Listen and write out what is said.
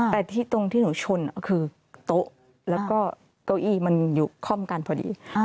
แต่ที่ตรงที่หนูชนคือโต๊ะแล้วก็เก้าอี้มันอยู่ค่อมกันพอดี